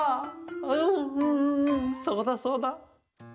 うんうんうんそうだそうだ。